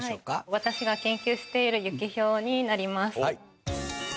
私が研究しているユキヒョウになります。